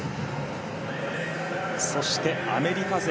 そして、アメリカ勢。